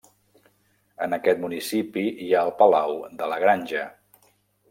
En aquest municipi hi ha el palau de La Granja.